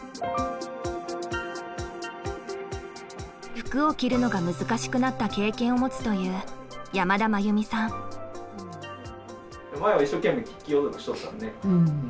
服を着るのが難しくなった経験を持つという前は一生懸命着ようとしてたもんね。